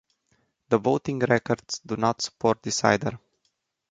The voting records do not support this either.